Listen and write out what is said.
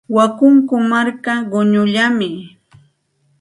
Wakunku marka quñullami.